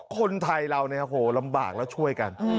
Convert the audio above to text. คนไทยเราเนี่ยโหลำบากแล้วช่วยกัน